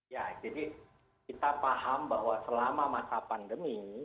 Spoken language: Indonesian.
ya jadi kita paham bahwa selama masa pandemi